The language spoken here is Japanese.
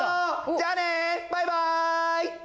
じゃあねバイバイ！